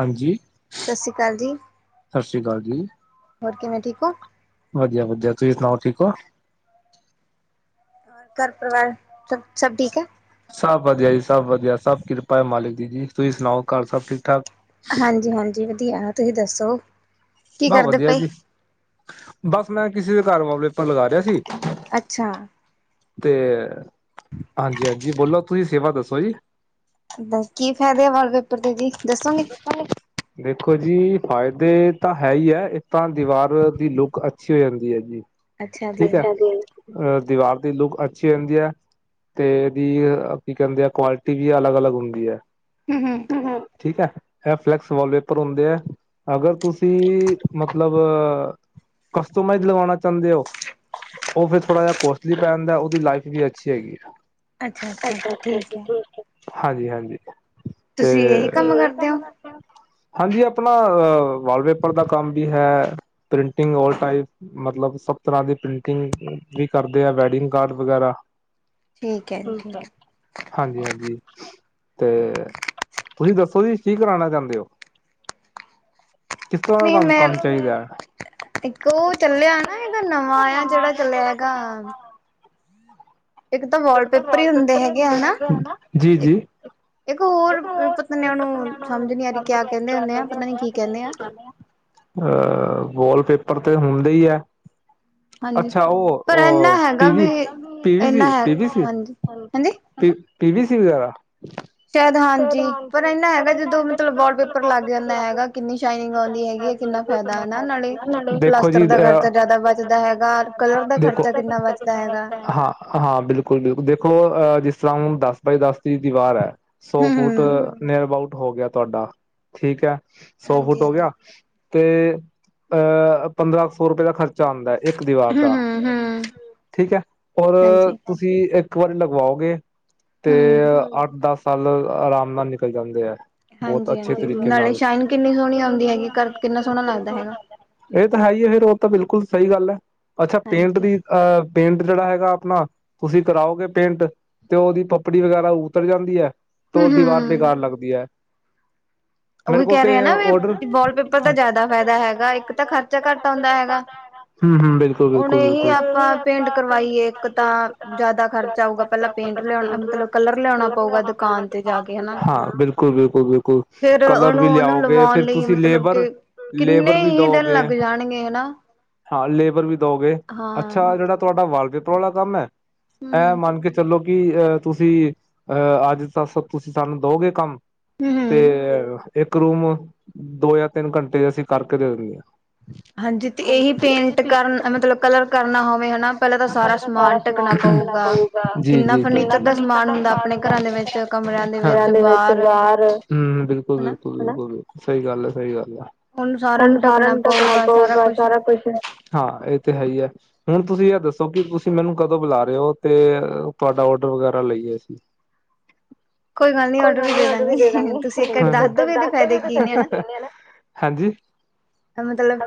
ਹਾਂਜੀ। ਸਤਿ ਸ੍ਰੀ ਅਕਾਲ ਜੀ, ਹੋਰ ਕਿਵੇਂ ਠੀਕ ਹੋ। ਵਧੀਆ ਵਧੀਆ ਤੁਸੀਂ ਸੁਣਾਓ ਠੀਕ ਹੋ। ਔਰ ਘਰ ਪਰਿਵਾਰ ਸ ਸਭ ਠੀਕ ਹੈ। ਸਭ ਵਧੀਆ ਜੀ ਸਭ ਵਧੀਆ ਸਭ ਕਿਰਪਾ ਹੈ ਮਾਲਿਕ ਦੀ ਜੀ ਤੁਸੀਂ ਸੁਣਾਓ ਘਰ ਸਭ ਠੀਕ ਠਾਕ। ਹਾਂਜੀ ਹਾਂਜੀ ਵਧੀਆ ਤੁਸੀਂ ਦੱਸੋ। ਬਸ ਵਧੀਆ ਜੀ ਬਸ ਮੈਂ ਕਿਸੇ ਦੇ ਘਰ ਮਲੇਪਨ ਲਗਾ ਰਿਹਾ ਸੀ। ਅੱਛਾ ਤੇ ਹਾਂਜੀ ਹਾਂਜੀ ਬੋਲੋ ਤੁਸੀਂ ਸੇਵਾ ਦੱਸੋ ਜੀ। ਕੀ ਫਾਇਦੇ ਆ ਵਾਲਪੇਪਰ ਦੇ ਜੀ ਦੱਸੋਗੇ? ਦੇਖੋ ਜੀ ਫਾਇਦੇ ਤਾਂ ਹੈ ਹੀ ਹੈ ਇੱਕ ਤਾਂ ਦੀਵਾਰ ਦੀ ਲੁੱਕ ਅੱਛੀ ਹੋ ਜਾਂਦੀ ਹੈ ਜੀ। ਠੀਕ ਹੈ ਅਹ ਦੀਵਾਰ ਦੀ ਲੁੱਕ ਅੱਛੀ ਰਹਿੰਦੀ ਹੈ। ਤੇ ਇਹਦੀ ਕੀ ਕਹਿੰਦੇ ਆ ਕੁਆਲਿਟੀ ਵੀ ਅਲੱਗ ਅਲੱਗ ਹੁੰਦੀ ਹੈ। ਹਮ ਹਮ ਠੀਕ ਹੈ ਇਹ ਫਲੈਕਸ ਵਾਲਪੇਪਰ ਹੁੰਦੇ ਹੈ ਅਗਰ ਤੁਸੀਂ ਮਤਲਬ ਕਸਟਮਾਈਜ਼ ਲਗਾਉਣਾ ਚਾਹੁੰਦੇ ਹੋ! ਉਹ ਫਿਰ ਥੋੜਾ ਜਿਹਾ ਕੋਸਟਲੀ ਪੈ ਜਾਂਦਾ ਉਹਦੀ ਲਾਈਫ ਵੀ ਅੱਛੀ ਹੈਗੀ ਹੈ। ਹਾਂਜੀ ਹਾਂਜੀ ਤੁਸੀਂ ਇਹੀ ਕੰਮ ਕਰਦੇ ਹੋ। ਹਾਂਜੀ ਆਪਣਾ ਅ ਵਾਲਪੇਪਰ ਦਾ ਕੰਮ ਵੀ ਹੈ। Printing all type. ਮਤਲਬ ਸਭ ਤਰ੍ਹਾਂ ਦੀ ਪ੍ਰਿੰਟਿੰਗ ਵੀ ਕਰਦੇ ਆ ਵੈਡਿੰਗ ਕਾਰਡ ਵਗੈਰਾ ਠੀਕ ਹੈ। ਹਾਂਜੀ ਹਾਂਜੀ ਤੇ ਤੁਸੀਂ ਦੱਸੋ ਜੀ ਕੀ ਕਰਾਉਣਾ? ਜਾਂਦੇ ਹੋ- ਕਿਸ ਤਰ੍ਹਾਂ ਦਾ ਤੁਹਾਨੂੰ ਕੰਮ ਚਾਹੀਦਾ ਹੈ। ਇੱਕ ਉਹ ਚੱਲਿਆ ਨਾ ਇਹਗਾ ਨਵਾਂ ਆ ਜਿਹੜਾ ਚੱਲਿਆ ਹੈਗਾ ਇੱਕ ਤਾਂ ਵਾਲਪੇਪਰ ਹੀ ਹੁੰਦੇ ਹੈਗੇ ਹਨਾ ਇੱਕ- ਇੱਕ ਹੋਰ ਪਤਾ ਨੇ ਉਹਨੂੰ ਸਮਝ ਨੀ ਆ ਰ ਕਿਆ ਕਹਿੰਦੇ ਹੁੰਦੇ ਆ ਪਤਾ ਨੀ ਕੀ ਕਹਿੰਦੇ ਆ ਅ ਵਾਲਪੇਪਰ ਤੇ ਹੁੰਦੇ ਹੀ ਹੈ। ਅੱਛਾ ਉਹ ਅ PV PVC -PVC ਵਗੈਰਾ ਹ। ਸ਼ਾਇਦ ਹਾਂਜੀ। ਪਰ ਇਹੰਨਾ ਹੈਗਾ। ਜਦੋਂ ਮਤਲਬ ਵਾਲ ਪੇਪਰ ਲੱਗ ਜਾਂਦਾ ਹੈਗਾ। ਕਿੰਨੀ ਸ਼ਾਈਨਿੰਗ ਆਉਂਦੀ ਹੈਗੀ ਹੈ। ਕਿੰਨਾ ਫਾਇਦਾ ਹੈ ਨਾ। ਨਾਲੇ ਪਲਾਸਟਰ ਦਾ ਖਰਚਾ ਜਿਆਦਾ ਬਚਦਾ ਹੈਗਾ। ਕਲਰ ਦਾ ਖਰਚਾ ਕਿੰਨਾ ਬਚ। ਹਾਂ। ਹਾਂ। ਬਿਲਕੁਲ ਬਿਲਕੁਲ। ਦੇਖੋਹ ਜਿਸ ਤਰ੍ਹਾਂ ਹੁਣ। ਦਸ ਬਾਏ ਦਸ ਦੀ ਦੀਵਾਰ ਹੈ। ਸੌ ਫੁੱਟ। ਟ ਨੀਅਰ ਅਬਾਊਟ ਹੋ ਗਿਆ। ਤੁਹਾਡਾ ਠੀਕ ਹੈ। ਸੌ ਫੁੱਟ ਹੋ ਗਿਆ। ਤੇ ਅਹ। ਪੰਦਰਾਂ ਸੌ ਰੁਪਏ ਦਾ ਖਰਚਾ। ਚ ਆਦਾ ਹੈ। ਇੱਕ ਦੀਵਾਰ ਦਾ। ਠੀਕ ਹੈ। ਔਰ। ਤੁਸੀਂ ਇੱਕ ਵਾਰੀ ਲਗਵਾਓਗੇ। ਤੇ ਅੱਠ ਦਸ। ਲ ਆਰਾਮ ਨਾਲ ਨਿਕਲ ਜਾਂਦੇ ਹੈ। ਬਹੁਤ ਅੱਛੇ ਤਰੀਕੇ ਨਾਲ। ਇਹ ਤਾਂ ਹੈ ਹੀ ਹੈ। ਫੇਿਰ ਉਹ ਤਾਂ ਬਿਲਕੁਲ ਸਹੀ ਗੱਲ ਹੈ। ਅੱਛਾ ਪੇਂਟ ਦੀ। ਅਹ ਪਿੰਡ ਜਿਹੜਾ ਹੈਗਾ ਆਪਣਾ। ਤੁਸੀਂ ਕਰਾਓਗੇ ਪੇਂਟ ਤੇ। ਉਹਦੀ ਪੱਪੜੀ ਵਗੈਰਾ ਉਤਰ ਜਾਂਦੀ ਹੈ। ਤੇ ਉਹ ਦੀਵਾਰ ਬੇਕਾਰ ਲੱਗਦਾ। ਦੀਆ ਉਹੀ ਕਹਿ ਰਹੇ ਆ ਨਾ ਵੀ ਵਾਲਪੇਪਰ ਦਾ ਜ਼ਿਆਦਾ ਫਾਇਦਾ ਹੈਗਾ ਇੱਕ ਤਾਂ ਖਰਚਾ ਘੱਟ ਆਉਂਦਾ ਹੈਗਾ। ਹਮ ਹਮ ਬਿਲਕ ਹੁਣ ਇਹੀ ਆਪਾ ਪੇਂਟ ਕਰਵਾਈਏ ਇੱਕ ਤਾਂ ਜ਼ਿਆਦਾ ਖਰਚਾ ਆਊਗਾ ਪਹਿਲਾਂ ਪੇਂਟ ਲਿਆਣਾ ਮਤਲਬ ਕਲਰ ਲਿਆਉਣਾ ਪਊਗਾ ਦੁਕਾਨ ਤੇ ਜਾ ਕੇ ਹਨਾ। ਫਿਰ ਉਹਨੂੰ ਉਹਨੂੰ ਲਵਾਉਣ ਲਈ ਮਤਲਬ ਕੇ। ਕਿੰਨੇ ਹੀ ਦਿਨ ਲੱਗ ਜਾਣਗੇ ਹਨਾ। ਹਾਂ। ਲੇਬਰ ਵੀ ਦਓਗੇ। ਅੱਛਾ ਜਿਹੜਾ ਤੁਹਾਡਾ ਵਾਲਪੇਪਰ ਵਾਲਾ ਕੰਮ ਹੈ। ਇਹ ਮੰਨ ਕੇ ਚਲੋ ਕਿ ਅਹ ਤੁਸੀਂ। ਅਹ ਅੱਜ ਤ ਤੁਸੀਂ ਸਾਨੂੰ ਦਓਗੇ ਕੰਮ। ਤੇ ਇੱਕ ਰੂਮ ਦੋ। ਜਾਂ ਤਿੰਨ ਘੰਟੇ ਅਸੀਂ ਕਰਕੇ ਦੇ ਦਿੰਦੇ ਹਾਂ। ਹਾਂਜੀ। ਤੇ ਇਹੀ ਪੇਂਟ ਕਰਨ। ਮਤਲਬ ਕਲਰ ਕਰਨਾ ਹੋਵੇ ਹਨਾ। ਪਹਿਲਾਂ ਤਾਂ ਸਾਰਾ ਸਮਾਨ। ਸਮਾਨ ਕੱਢਣਾ ਪਊਗਾ। ਜ ਜ ਕਿੰਨਾ ਫਰਨੀਚਰ ਦਾ ਸਮਾਨ ਹੁੰ। ਆਪਣੇ ਘਰਾਂ। ਵਿੱਚ ਬਾਹਰ ਹਮ। ਬਿਲਕੁਲ ਬਿਲਕੁਲ ਬਿਲਕੁਲ ਬਿਲਕੁਲ। ਸਹੀ ਗੱਲ ਆ। ਸਹੀ ਗੱਲ ਆ। ਹੁਣ ਸਾਰਨ ਤੱਕ ਨਾ ਪਊਗਾ। ਸਾਰਾ ਕੁਛ। ਹਾਂ। ਇਹ ਤੇ ਹੈ ਹੀ ਹੈ। ਹੁਣ ਤੁਸੀਂ ਇਹ ਦੱਸੋ ਕਿ ਤੁਸੀਂ ਮੈਨੂੰ। ਕਦੋਂ ਬੁਲਾ ਰਹੇ ਹੋ। ਤੇ ਤੁਹਾਡਾ ਔਡਰ ਵਗੈਰਾ ਲਈਏ ਅਸੀਂ। ਕੋਈ ਗੱਲ ਨਹੀਂ। ਉਦੋਂ ਵੀ ਦੇ ਦਾਂਗੇ। ਦੱਸ। ਹਾਂਜੀ।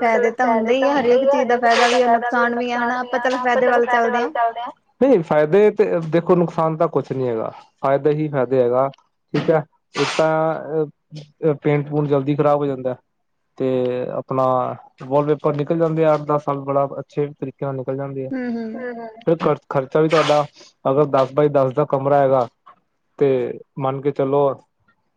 ਮਤਲਬ ਫਾਇਦੇ ਤਾਂ ਹੁੰਦਾ ਹੀ ਆ। ਹਰੇਕ ਫਾਇਦਾ ਵੀ। ਨੁਕਸਾਨ ਵੀ ਆ ਨਾ। ਆਪਾਂ ਚਲ ਫਾਇਦੇ ਵੱਲ। ਨਹੀਂ ਫਾਇਦੇ ਤੇ ਦੇਖੋ। ਨੁਕਸਾਨ ਤਾਂ ਕੁਛ ਨਹੀ। ਹੀ ਹੈਗਾ। ਫਾਇਦੇ ਹੀ ਫਾਇਦੇ ਹੈਗਾ। ਠੀਕ ਹੈ। ਉਸ ਤਾਂ ਪੇਂਟ ਪਟ ਜਲਦੀ ਖ਼ਰਾਬ ਹੋ ਜਾਂਦਾ। ਤੇ ਆਪਣਾ ਵਾਲ ਪੇਪਰ ਨਿਕਲ ਜਾਂਦੇ ਆ। ਅੱਠ ਦਸ ਸਾਲ ਬੜਾ। ਛੇ ਤਰੀਕੇ ਨਾਲ ਨਿਕਲ ਜਾਂਦੀ ਆ। ਫਰ ਖਰਚਾ ਵੀ ਤੁਹਾਡਾ। ਅਗਰ ਦਸ ਬਾਏ ਦਸ ਦਾ ਕਮਰਾ ਹੈਗਾ। ਤੇ ਮੰਨ ਕੇ ਚਲੋ।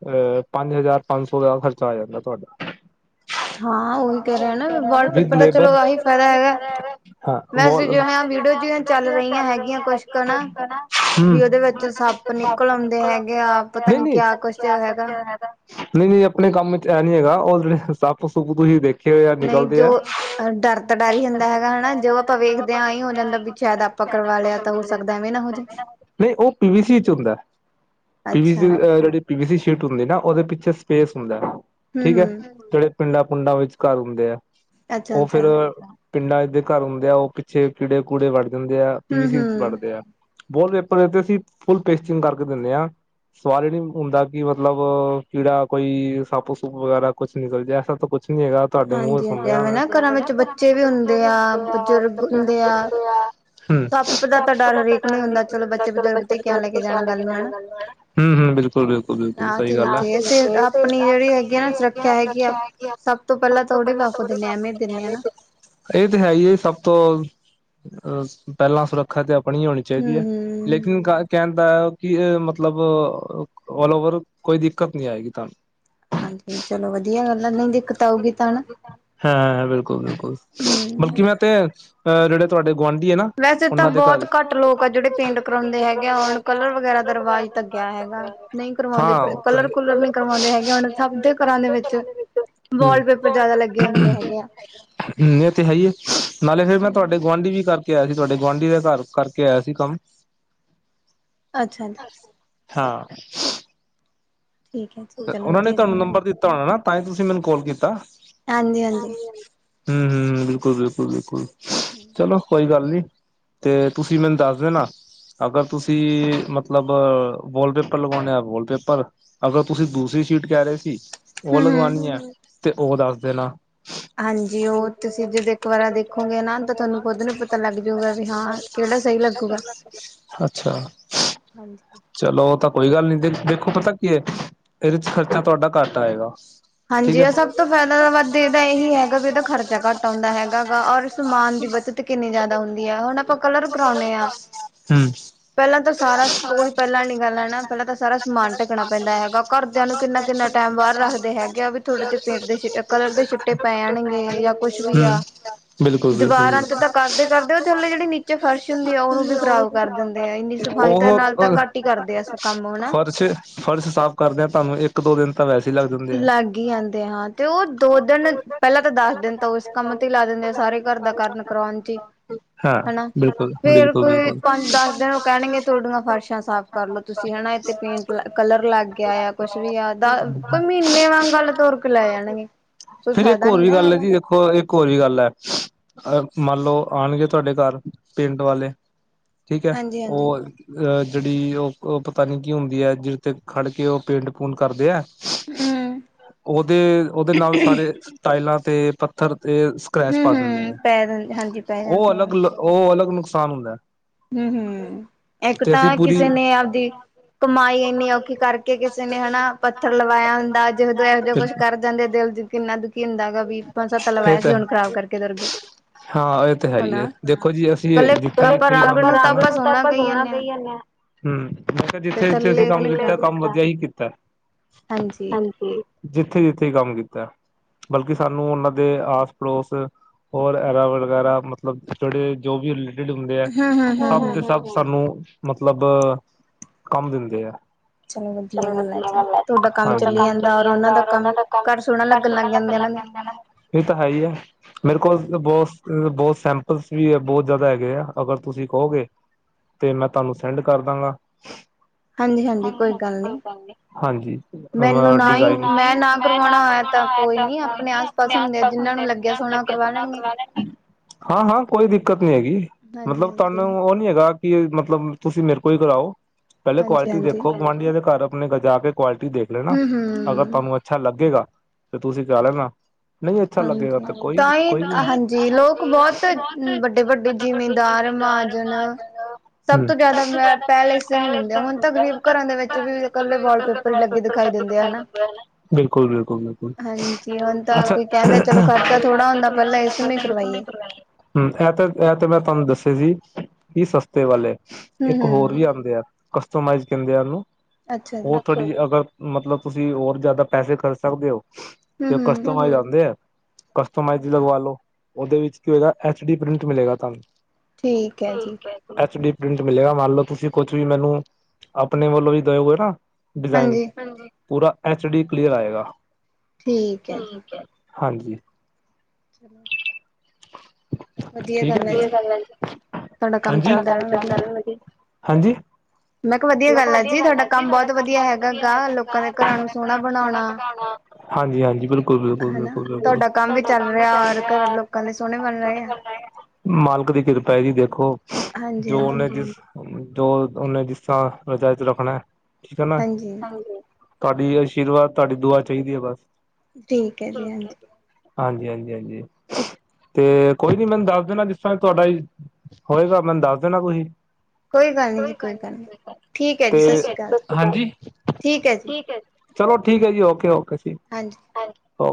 ਅਹ ਪੰਜ ਹਜ਼ਾਰ ਪੰਜ ਸੌ ਦਾ ਖਰਚਾ ਆ ਜਾਂਦਾ ਤੁਹਾਡਾ। [unintelligible] [unintelligible] ਚੱਲ ਰਹੀਆਂ ਹੈਗੀਆਂ। [unintelligible] ਨਾ ਓਹਦੇ ਵਿੱਚ ਸੱਪ ਨਿਕਲ ਆਂਦਾ ਹੈ। [unintelligible] ਨਹੀਂ ਨਹੀਂ। ਆਪਣੇ ਕੰਮ ਚ ਇਹਂ ਨੀ ਹੈਗਾ। ਉਹ ਜੇੜੇ ਸਪ ਸੁਪ ਤੁਸੀਂ ਵੇਖ। ਯਾ ਨਿਕਲਦੇ ਹੈ। [unintelligible] [unintelligible] ਨਹੀਂ। ਉਹ ਪੀਵੀਸੀ ਚ ਹੁੰਦਾ। ਪੀਵੀਸੀ ਜੇੜੀ ਪੀਵੀਸੀ ਸ਼ੀਟ ਹੁੰਦੀ ਨਾ ਉਹਦੇ ਪਿੱਛੇ ਸਪੇਸ ਹੁੰਦਾ। ਠੀਕ ਹੈ ਜੇੜੇ। ਪਿੰਡਾਂ ਪੁੰਡਾਂ ਵਿੱਚ ਘਰ ਹੁੰਦੇ ਆ। ਉਹ ਫੇਰ। ਪਿੰਡਾਂ ਦੇ ਘਰ ਹੁੰਦੇ ਆ। ਉਹ ਪਿੱਛੇ ਕੀੜੇ ਕੂੜੇ ਵੜ ਜਾਂਦੇ ਆ। ਪੀਵੀਸੀ ਚ ਵੜਦੇ ਆ। ਵਾਲ ਪੇਪਰ ਤੇ ਅਸੀਂ ਫੁੱਲ ਪੇਸਟਿੰਗ ਕਰਕੇ ਦਿਨੇ ਆ। ਸਵਾਲ ਹੀ ਨੀ ਹੁੰਦਾ ਕਿ ਮਤਲਬ ਜੇੜਾ ਕੋਈ ਸੱਪ ਸੁੱਪ ਵਗੈਰਾ ਕੁੱਛ ਨਿਕਲ ਜਾਏ ਐਸਾ ਤਾਂ ਕੁਛ, ਨੀ ਹੈਗਾ ਤੁਹਾਡੇ ਮੂੰਹੋਂ ਸੁਣ ਰਹਿਆ ਮੈ। ਸਪ ਦਾ ਤਾਂ ਡਰ ਨਿਕਲ ਜਾਂਦਾ ਚਲੋ ਬੱਚੇ [unintelligible] ਹਮ ਹਮ ਬਿਲਕੁਲ ਬਿਲਕੁਲ ਬਿਲਕੁਲ ਸਹੀ ਗੱਲ ਆ [unintelligible] ਆਪਣੀ ਜੇੜੀ ਹੁੰਦੀ ਨਾ ਸੁਰੱਖਿਆ। [unintelligible] ਸਬ ਤੋਂ ਪਹਿਲਾਂ [unintelligible] ਇਹ ਤੇ ਹੈ ਇ ਦੇ ਸਭ ਤੋਂ, ਪਹਿਲਾਂ ਸੁਰੱਖਿਆ ਤੇ ਆਪਣੀ ਹੋਣੀ ਚਾਹੀਦੀ ਹੈ। ਲੇਕਿਨ ਕ ਕਹਿੰਦਾ ਹੈ ਕਿ ਏ ਮਤਲਬ, ਆਲ ਓਵਰ ਕੋਈ ਦਿੱਕਤ ਨੀ ਆਏਗੀ ਤੁਹਾਨੂੰ। ਹਾਂ ਬਿਲਕੁਲ ਬਿਲਕੁਲ। ਬਲਕਿ ਮੈਂ ਤੇ ਅਹ ਜੇੜੇ ਤੁਹਾਡੇ ਗੁਆਂਢੀ ਹੈ ਨਾ। ਵੈਸੇ ਤਾਂ ਬਹੁਤ ਘੱਟ ਲੋਕ ਆ ਜੇੜੇ ਪੇਂਟ ਕਰਾਉਂਦੇ ਹੈਗੇ ਆ ਉਹ ਕਲਰ ਵਗੈਰਾ ਦਾ ਰਿਵਾਜ਼ ਤਾ ਕਯਾ ਹੈਗਾ। ਨਹੀਂ ਕਰਵਾਉਂਦੇ ਕਲਰ ਕੁਲਰ ਨਹੀਂ ਕਰਵਾਉਂਦੇ ਹੈਗੇ ਉਹ ਸਭ ਦੇ ਘਰਾਂ ਦੇ ਵਿੱਚ, ਵਾਲਪੇਪਰ ਜ਼ਿਆਦਾ ਲੱਗੇ ਹੁੰਦੇ ਹੈਗੇ ਆ। ਹ ਇਹ ਤੇ ਹੈ ਇ ਹੈ। ਹੀਏ ਨਾਲੇ ਫੇਰ ਮੈਂ ਤੁਵਾਡੇ। ਗੁਆਂਢੀ ਵੀ ਕਰਕੇ ਆਇਆ ਸੀ। ਤੁਹਾਡੇ ਗੁਆਂਢੀ ਦੇ ਘਰ ਕਰਕੇ ਆਇਆ ਸੀ ਕੰਮ। ਅੱਛਾ ਜੀ। ਹਾਂ। ਠੀਕ ਹੈ। ਚਲੋ ਵਧੀਆ ਗੱਲ ਹੈ। [unintelligible] ਨਾ ਤਾਂਹੀ ਤੁਸੀਂ ਮੈਨੂੰ ਕਾਲ ਕੀਤਾ। ਹਾਂ ਹਾਂ। ਬਿਲਕੁਲ ਬਿਲਕੁਲ ਬਿਲਕੁਲ। [inaudible] ਕੋਈ ਗੱਲ ਨੀ ਤੇ ਤੁਸੀਂ ਮੈਨੂੰ ਦੱਸ ਦੇਣਾ। ਅਗਰ ਤੁਸੀਂ ਮਤਲਬ ਵੋਲਪੇਪਰ ਲਗਵਾਨੇ ਆ ਵੋਲ ਪੇਪਰ ਅਗਰ, ਤੁਸੀਂ ਦੂਸਰੀ ਸ਼ੀਟ ਕਹਿ ਰਹੇ ਸੀ ਉਹ ਲਗਵਾਨੀ ਹੈ ਤੇ ਉਹ ਦੱਸ ਦੇਣਾ। ਹਾਂਜੀੂੰ [unintelligible] ਅੱਛਾ। [inaudible] ਚਲੋ ਉਹ ਤਾਂ ਕੋਈ ਗੱਲ ਨੀ ਦੇਖੋ ਪਤਾ ਕੀ ਹੈ ਇਹਦੇ ਚ ਖਰਚਾ ਤੁਹਾਡਾ ਘੱਟ ਆਏਗਾ। ਹਾਂਜੀ ਇਹ ਸਭ ਤੋਂ ਫਾਇਦਾ ਵੱਧ ਇਹਦਾ ਇਹੀ ਹੈਗਾ ਵੀ ਇਹਦਾ ਖਰਚਾ ਘੱਟ ਆਉਂਦਾ ਹੈਗਾ ਗਾ ਔਰ ਸਮਾਨ ਦੀ ਬੱਚਤ, ਕਿੰਨੀ ਜ਼ਿਆਦਾ ਹੁੰਦੀ ਹੈ ਹੁਣ ਆਪਾਂ ਕਲਰ ਕਰਾਉਂਨੇ ਆਂ, ਪਹਿਲਾਂ ਤਾਂ ਸਾਰਾ ਉਹੀ ਪਹਿਲਾਂ ਨੀ ਗੱਲ ਹੈ ਨਾ ਪਹਿਲਾਂ ਤਾਂ ਸਾਰਾ ਸਮਾਨ ਢੱਕਣਾ ਪੈਂਦਾ ਹੈਗਾ ਘਰਦਿਆਂ ਨੂੰ ਕਿੰਨਾ ਕਿੰਨਾ ਟਾਈਮ ਬਾਹਰ ਰੱਖਦੇ ਹੈਗੇ ਜਾ ਫੇਰ ਥੋੜੇ ਜੇ ਪੇਂਟ ਦੇ ਕਲਰ ਦੇ ਛਿੱਟੇ ਪੈਣਗੇ ਜਾਂ ਕੁਛ ਵੀ ਆ, ਦੀਵਾਰਾਂ ਤੇ ਤਾਂ ਕਰਦੇ ਕਰਦੇ ਉਹ ਥਲੇ ਜੇੜੇ ਨੀਚੇ ਫਰਸ਼ ਹੁੰਦੀ ਆ ਓਹ ਵੀ ਕਰਾਓ। ਕਰ ਦਿੰਦੇ ਆ ਇੰਨੀ ਸਫਾਈ ਤਾਂ ਨਾਲ ਤਾਂ ਘੱਟ ਹੀ ਕਰਦੇ ਆ ਕੰਮ ਹੈਣਾ। ਫਰਸ਼ ਸਾਫ਼ ਕਰਦਿਆਂ ਤੁਵਾਨੂ ਇੱਕ, ਇੱਕ ਦੋ ਦਿਨ ਤਾਂ ਵੈੇਸੇ ਲਗ ਜਾਂਦੇ। ਲੱਗ ਹੀ ਜਾਂਦੇ ਹਾਂ ਤੇ ਉਹ ਦੋ ਦਿਨ ਪਹਿਲਾਂ ਤਾਂ ਦਸ ਦਿਨ ਤਾਂ ਉਸ, ਕੰਮ ਤੇ ਲਾ ਦੇਨੇ ਆ ਸਾਰੇ ਘਰ ਦਾ ਕਰਨ ਕਰਉਣ ਚ ਹੀ। ਹੈਨਾ ਫੇਰ ਕੋਈ ਪੰਜ ਦਸ ਦਿਨ ਉਹ ਕਹਿਣਗੇ ਤੁਹਡੀਆਂ ਫਰਸ਼ਾਂ ਸਾਫ਼। ਕਰਲੋ ਤੁਸੀਂ ਹਨਾ ਇੱਥੇ ਪੇਂਟ ਕਲਰ ਲੱਗ ਗਿਆ ਆ ਕੁਛ ਵੀ ਆ ਕੋਈ ਮਹੀਨੇ ਵਾਂਗ ਗੱਲ ਤੁਰ ਕੇ ਲੈ ਜਾਣਗੇ ਕੋਈ ਫਾਇਦਾ ਨੀ ਨਾ ਹੈਗਾ ਇੱਕ ਹੋਰ ਵੀ ਗੱਲ ਹੈ ਅ ਮੰਨ ਲਓ ਆਉਣਗੇ ਤੁਹਾਡੇ ਘਰ ਪਿੰਡ ਵਾਲੇ ਠੀਕ ਹੈ ਉਹ ਅਹ ਜਿਹੜੀ ਉਹ ਪਤਾ ਨੀ ਕੀ ਹੁੰਦੀ ਹੈ ਜਿ ਤੇ ਖੜ ਕੇ ਉਹ ਪੇਂਟ ਪੂਟ ਕਰਦੇ ਹੈ ਉਹਦੇ ਉਹਦੇ ਨਾਲ ਸਾਰੇ ਟਾਇਲਾਂ ਤੇ ਪੱਥਰ ਤੇ ਸਕ੍ਰੈਚ ਪਾ ਦਿੰਦੇ ਹੈ ਉਹ ਅਲੱਗ ਉਹ ਅਲੱਗ ਨੁਕਸਾਨ ਹੁੰਦਾ ਹਮ ਹਮ ਇੱਕ ਤਾਂ ਕਿਸੇ ਨੇ ਆਪਦੀ ਕਮਾਈ ਇੰਨੀ ਔਖੀ ਕਰਕੇ ਕਿਸੇ ਨੇ ਹਨਾ ਪੱਥਰ ਲਵਾਇਆ ਹੁੰਦਾ, ਜੇ ਉਦੋਂ ਇਹੋ ਜਿਹਾ ਕੁਛ ਕਰ ਜਾਂਦੇ ਦਿਲ ਚ ਕਿੰਨਾ ਦੁਖੀ ਹੁੰਦਾ ਗਾ ਵੀ! ਇਹ ਤਾਂ ਹਾਂ ਇਹ ਤਾਂ ਹੈ ਹੀ ਦੇਖੋ ਜੀ ਅਸੀਂ ਜਿੱਥੇ [inaudible] ਆਪਾਂ ਰੰਗ ਨੂੰ ਤਾਂ ਆਪਾਂ ਸੋਣਾ ਕਈਏ। ਮੈਂ ਹਮ ਮੈਂ ਕਿਹਾ ਜਿੱਥੇ ਜਿੱਥੇ ਅਸੀਂ ਕੰਮ ਕੀਤਾ ਕੰਮ ਵਧੀਆ ਹੀ ਕੀਤੈ। ਹੰਜੀ ਜਿੱਥੇ ਜਿੱਥੇ ਕੰਮ ਕਿਤੈ ਬਲਕਿ ਸਾਨੂੰ ਉਹਨਾਂ ਦੇ ਆਸ-ਪੜੋਸ ਹੋਰ ਐਰਾ- ਵਰਗੈਰਾ ਮਤਲਬ ਜਿਹੜੇ ਜੋ ਵੀ ਰਿਲੇਟਿਡ ਹੁੰਦੇ ਆ, ਹਾ ਹਾ ਹਾ ਸਭ ਦੇ ਸਭ ਸਾਨੂੰ ਮਤਲਬ ਕੰਮ ਦਿੰਦੇ ਆ। ਚਲੋ ਵਧੀਆ ਗੱਲ ਹੈ ਹੰਜੀ ਤੁਹਾਡਾ ਕੰਮ ਚੱਲੀ ਜਾਂਦਾ ਔਰ ਉਹ ਦਾ ਕੰਮ ਘਰ ਸੋਹਣਾ ਲੱਗਣ ਲੱਗ ਗਿਆ। ਹੈਨਾ, ਇਹ ਤਾਂ ਹੈ ਹੀ ਹੈ। ਮੇਰੇ ਕੋਲ ਤਾ ਬੌਸ ਦੋ ਸੈਂਪਲਸ ਵੀ ਆ ਬਹੁਤ ਜ਼ਿਆਦਾ ਹੈਗੇ ਆ ਅਗਰ ਤੁਸੀਂ ਕਹੋਗੇ ਤੇ ਮੈਂ ਤੁਹਾਨੂੰ ਸੈਂਡ ਕਰਦਾਂਗਾ। ਹਾਂਜੀ ਹਾਂਜੀ ਕੋਈ ਗੱਲ ਨੀ। ਹਾਂਜੀ ਮੈਂ ਨਾ ਕਰਣਾ [unintelligible] [inaudible] ਕੋਈ ਨੀ ਆਪਣੇ ਆਸ ਪਾਸ ਹੁੰਦੇ ਜਿਨਾਂ ਨੂੰ ਲੱਗਿਆ ਸੋਹਨਾ ਕਵਾ ਲ ਹਾਂ ਹਾਂ ਕੋਈ ਦਿੱਕਤ ਨੀ ਹੈਗੀ ਮਤਲਬ ਤੁਹਾਨੂੰ ਉਹ ਨ ਹੈਗਾ ਕਿ ਮਤਲਬ ਤੁਸੀਂ ਮੇਰੇ ਕੋਲ ਹੀ ਕਰਾਓ ਪਹਿਲੇ ਕੁਆਲਿਟੀ ਦੇਖੋ ਗੁਆਂਢੀਆਂ ਦੇ ਘਰ ਆਪਣੇ ਗਜਾ ਕੇ ਕੁਆਲਿਟੀ ਦੇਖ ਲੈਣਾ ਅਗਰ ਤੁਹਾਨੂੰ ਅੱਛਾ ਲੱਗੇਗਾ ਤੇ ਤੁਸੀਂ ਕ ਲੈਣਾ ਹਾਂਜੀ ਤਾਂ ਹੀ ਹਾਂਜੀ ਲੋਕ ਬਹੁਤ ਵੱਡੇ ਵੱਡੇ ਜ਼ਿਮੀਂਦਾਰ ਮਹਾਜਨ ਸਭ ਤੋਂ ਜਿਆਦਾ ਮ ਪਹਿਲੇੇ ਨ ਹੁੰਦੇ ਹੁਣ ਤ ਗਰੀਬ ਘਰਾਂ ਦੇ ਵਿੱਚ ਵੀ ਇਕੱਲੇ ਵਾਲ ਪੇਪਰ ਹੀ ਲੱਗੇ ਦਿਖਾਈ ਦਿੰਦੇ ਆ ਹਨਾ? ਹੰਜੀ ਹੁਣ ਤਾਂ ਸ ਥੋੜਾ ਲ [inaudible] ਹਮ ਇਹ ਤੇ ਇਹ ਤੇ ਮੈਂ ਤੁਹਾਨੂੰ ਦੱਸਿਆ ਸੀ ਕੀ ਸਸ ਤੇ ਵਾਲੇ ਇੱਕ ਹੋਰ ਵੀ ਆਉਂਦੇ ਆ ਕਸਟਮਾਈਜ਼ ਕਹਿੰਦੇ ਆ ਉਹਨੂੰ। ਉਹ ਤੁਥੋੜੀ ਅਗਰ ਮਤਲਬ ਤੁਸੀਂ ਹੋਰ ਜਾਦਾ ਪੈਸੇ ਖਰਚ ਸਕਦੇ ਹੋ? [unintelligible] ਤੇ ਕਸਟਮਾਈਜ਼ ਆਉਂਦੇ ਆ, ਕਸਟਮਾਈਜ਼ ਲਗਵਾ ਲੋ। ਉਹਦੇ ਵਿੱਚ ਕੀ ਹੋਏਗਾ ਐਚ- ਡੀ-ਪ੍ਰਿੰਟ ਮਿਲੇਗਾ ਤੁਹਾਨੂੰ। ਠੀਕ ਹੈ। ਐਚ-ਡੀ- ਪ੍ਰਿੰਟ ਮਿਲੇਗਾ, ਮੰਨ ਲਓ ਤੁਸੀਂ ਕੁੱਝ ਵੀ ਮੈਨੂੰ ਆਪਣੇ ਵੱਲੋਂ ਇ ਦੇਓਗੇ ਨਾ ਡਿਜ਼ਾਇਨ, ਹਾਂਜੀ ਪੂਰਾ ਐਚ-ਡੀ ਕਲੀਅਰ ਆਏਗਾ। ਠੀਕ ਹੈ, ਹਾਂਜੀ। ਚਲੋ ਠੀਕ ਹੈ, ਠੀਕ ਹੈ ਫਿਰ, ਹਾਂਜੀ, ਤੁਹਡਾ ਕੰਮ ਚੱਲਦਾ ਰਵੇ। ਹਾਂਜੀ? ਮੈਂ ਕਿਹਾ ਵਧੀਆ ਗੱਲ ਆ ਜੀ ਤੁਹਾਡਾ ਕੰਮ ਬਹੁਤ ਵਧੀਆ ਹੈਗਾ ਘਰਾਂ ਨੂੰ ਸੋਹਣਾ ਪਕਾਉਣਾ [inaudible] ਜੇ ਆਹੀ ਹਾਂਜੀ ਬਿਲਕੁਲ ਬਿਲਕੁਲ ਬਿਲਕੁਲ ਬਿਲਕੁ। ਤੁਹਡਾ ਕੰਮ ਵੀ ਚੱਲ ਰਿਹਾ [unintelligible] ਮਾਲਕ ਦੀ ਕਿਰਪਾ ਜੀ ਦੇਖੋ ਜੋ ਉਹਨੇ ਜੋ ਉਹਨਾਂ ਜਿਸ ਤਰਾਂ ਰਜਾ ਚ ਰੱਖਣਾ ਠੀਕ ਐ ਨਾ ਤੁਹਾਡੀ ਆਸ਼ੀਰਵਾਦ ਤੁਹਾਡੀ ਦੁਆ ਚਾਹੀਦੀ ਐ ਬਸ ਹਾਂਜੀ ਹਾਂਜੀ ਹਾਂਜੀ ਤੇ ਕੋਈ ਨੀ ਮੈਨੂੰ ਦੱਸ ਦੇਣਾ ਜਿਸ ਤਰ੍ਹਾਂ ਤੁਹਾਡਾ ਜ ਹੋਏਗਾ ਮੈਨੂੰ ਦੱਸ ਦੇਣਾ ਤੁਸੀ। ਕੋਈ ਗੱਲ ਨੀ, ਠੀਕ ਐ ਸਤਿ ਸ੍ਰੀ ਅਕਾਲ। ਤੇ ਹਾਂਜੀ, ਠੀਕ ਐ। ਚਲੋ ਠੀਕ ਐ ਜੀ ਓਕੇ-ਓਕੇ ਜੀ। ਹਾਂਜੀ। ਹਾਂ